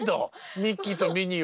ミッキーとミニーは。